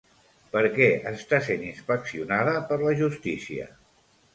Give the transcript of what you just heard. Per què està sent inspeccionada per la justícia?